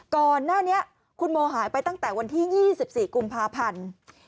ก่อนหน้านี้คุณโมหายไปตั้งแต่วันที่๒๔กุมภาพันธ์